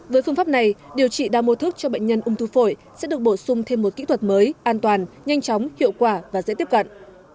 với phương pháp này điều trị đa mô thức cho bệnh nhân ung thư phổi sẽ được bổ sung thêm một kỹ thuật mới an toàn nhanh chóng hiệu quả và dễ tiếp cận